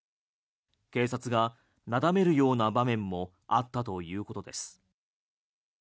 警察がなだめるような場面もあったということです。